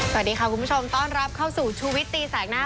สวัสดีค่ะคุณผู้ชมต้อนรับเข้าสู่ชูวิตตีแสกหน้า